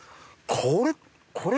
これ。